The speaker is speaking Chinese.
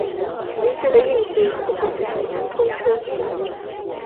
崎京线的运行系统通称。